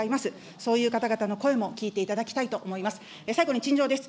そういう方々の声も聞いていただきたいと思います。